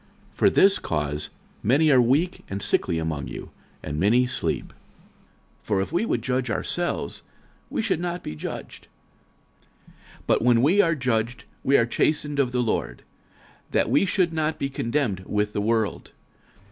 46:011:030 For this cause many are weak and sickly among you, and many sleep. 46:011:031 For if we would judge ourselves, we should not be judged. 46:011:032 But when we are judged, we are chastened of the Lord, that we should not be condemned with the world.